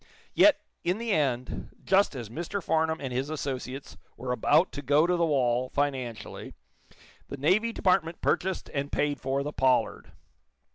Yet, in the end, just as Mr. Farnum and his associates were about to go to the wall, financially, the Navy Department purchased and paid for the "Pollard."